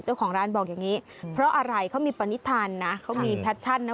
เจ้าของร้านบอกอย่างนี้เพราะอะไรเขามีปณิธานนะเขามีแพชชั่นนะ